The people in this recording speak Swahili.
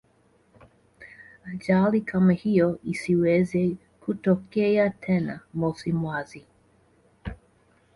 ajali kama hiyo isiweze kutokea tena mosi mwazi